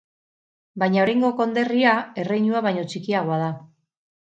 Baina oraingo konderria erreinua baino txikiagoa da.